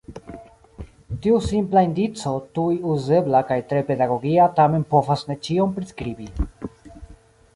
Tiu simpla indico, tuj uzebla kaj tre pedagogia tamen povas ne ĉion priskribi.